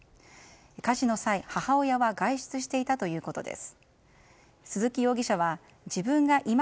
火事の際、母親は外出していたということです。